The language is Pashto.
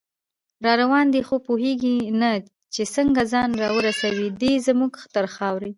راروان دی خو پوهیږي نه چې څنګه، ځان راورسوي دی زمونږ تر خاورې